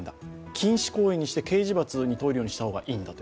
禁止行為にして、刑事罰に問えるようにした方がいいんだと。